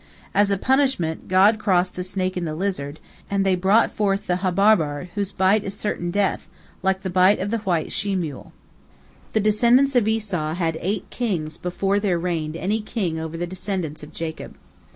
As a punishment, God crossed the snake and the lizard, and they brought forth the habarbar, whose bite is certain death, like the bite of the white she mule. The descendants of Esau had eight kings before there reigned any king over the descendants of Jacob.